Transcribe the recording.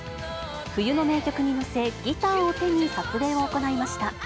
冬の名曲に乗せ、ギターを手に撮影を行いました。